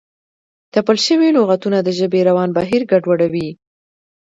تپل شوي لغتونه د ژبې روان بهیر ګډوډوي.